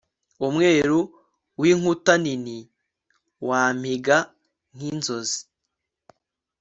Umweru winkuta nini wampiga nkinzozi